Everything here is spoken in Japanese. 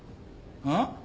うん？